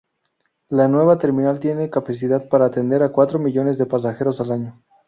La nueva terminal tiene capacidad para atender a cuatro millones de pasajeros al año.